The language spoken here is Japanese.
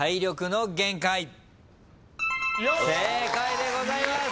正解でございます。